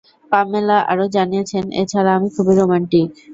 Pamela আরো জানিয়েছেন, 'এ ছাড়া আমি খুবই রোমান্টিক।